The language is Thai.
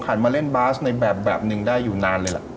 หันมาเล่นบาร์สในแบบหนึ่งได้อยู่นานเลย